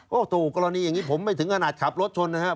ก็ถูกกรณีอย่างนี้ผมไม่ถึงขนาดขับรถชนนะครับ